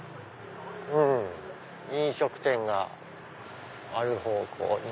うん飲食店がある方向に。